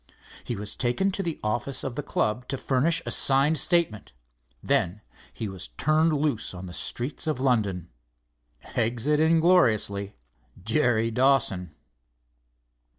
He was taken to the office of the club to furnish a signed statement. Then he was turned loose on the streets of London—exit ingloriously Jerry Dawson!